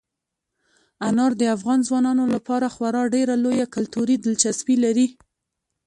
انار د افغان ځوانانو لپاره خورا ډېره لویه کلتوري دلچسپي لري.